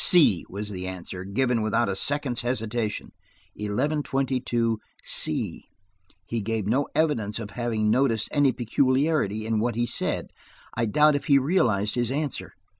"C" was the answer, given without a second's hesitation. Eleven twenty two C! He gave no evidence of having noticed any peculiarity in what he said; I doubt if he realized his answer.